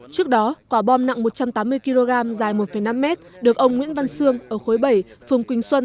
trước đó quả bom nặng một trăm tám mươi kg dài một năm mét được ông nguyễn văn sương ở khối bảy phường quỳnh xuân